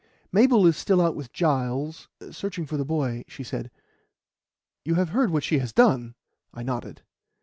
"Mabel is still out with Giles, searching for the boy," she said. "You have heard what she has done!" I nodded.